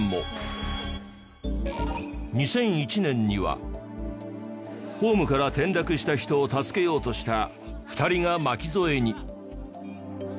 ２００１年にはホームから転落した人を助けようとした２人が巻き添えに。